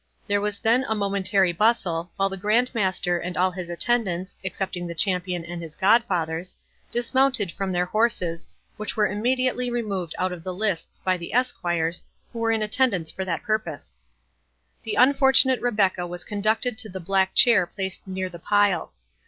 There was then a momentary bustle, while the Grand Master and all his attendants, excepting the champion and his godfathers, dismounted from their horses, which were immediately removed out of the lists by the esquires, who were in attendance for that purpose. The unfortunate Rebecca was conducted to the black chair placed near the pile.